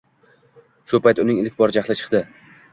Shu payt uning ilk bor jahli chiqdi.